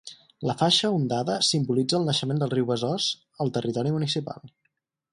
La faixa ondada simbolitza el naixement del riu Besòs al territori municipal.